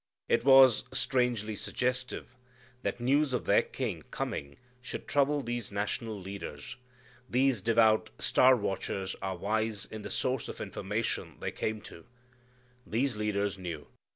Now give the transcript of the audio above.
It was strangely suggestive that news of their King coning should trouble these national leaders. These devout star watchers are wise in the source of information they came to. These leaders knew.